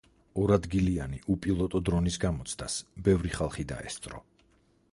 ორადგილიანი უპილოტო დრონის გამოცდას, ბევრი ხალხი დაესწრო.